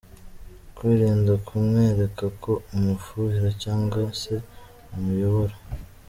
Kwirinda kumwereka ko umufuhira cyangwa se umuyobora.